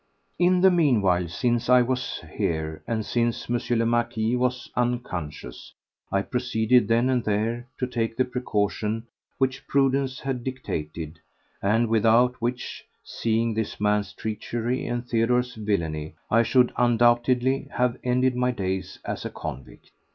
In the meanwhile, since I was here and since M. le Marquis was unconscious, I proceeded then and there to take the precaution which prudence had dictated, and without which, seeing this man's treachery and Theodore's villainy, I should undoubtedly have ended my days as a convict.